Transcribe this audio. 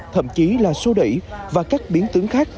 thậm chí là sô đẩy và các biến tướng khác